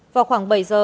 vào khoảng bảy giờ